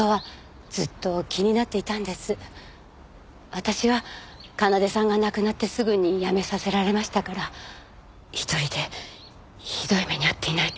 私は奏さんが亡くなってすぐに辞めさせられましたから１人でひどい目に遭っていないかと。